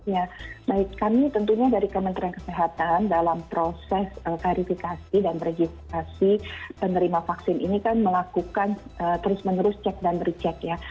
ya baik kami tentunya dari kementerian kesehatan dalam proses verifikasi dan registrasi penerima vaksin ini kan melakukan terus menerus cek dan recheck ya